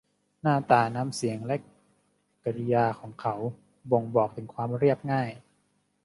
หน้าตา น้ำเสียง และกริยาของเขา บ่งบอกถึงความเรียบง่าย